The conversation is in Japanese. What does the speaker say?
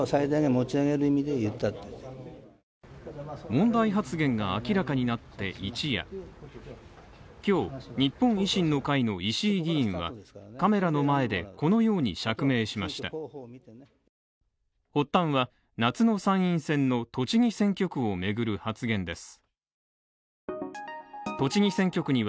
問題発言が明らかになって一夜今日、日本維新の会の石井議員はカメラの前でこのように釈明しました発端は、夏の参院選の栃木選挙区を巡る発言です。